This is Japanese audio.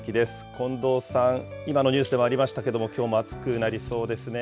近藤さん、今のニュースでもありましたけれども、きょうも暑くなりそうですね。